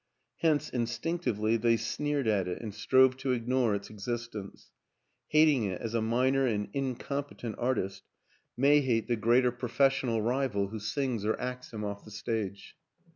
Hence instinctively they sneered at it and strove to ignore its existence ; hating it as a minor and incompetent artist may hate the 209 210 WILLIAM AN ENGLISHMAN greater professional rival who sings or acts him off the stage.